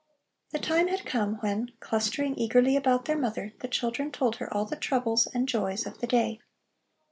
The time had come, when, clustering eagerly about their mother, the children told her all the troubles and joys of the day.